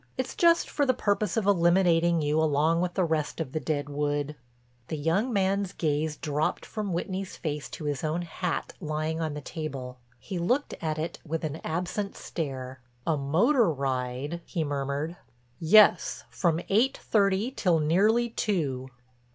It's just for the purpose of eliminating you along with the rest of the dead wood." The young man's gaze dropped from Whitney's face to his own hat lying on the table. He looked at it with an absent stare. "A motor ride?" he murmured. "Yes, from eight thirty till nearly two."